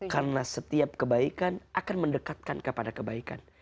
karena setiap kebaikan akan mendekatkan kepada kebaikan